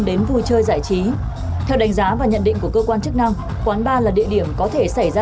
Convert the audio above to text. đến vui chơi giải trí theo đánh giá và nhận định của cơ quan chức năng quán bar là địa điểm có thể xảy ra